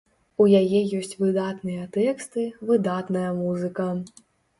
У яе ёсць выдатныя тэксты, выдатная музыка.